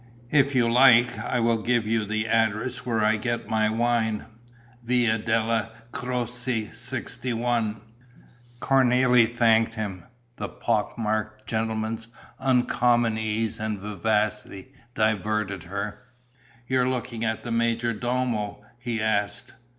"If you like, I will give you the address where I get my wine. Via della Croce, 61." Cornélie thanked him. The pock marked gentleman's uncommon ease and vivacity diverted her. "You're looking at the major domo?" he asked.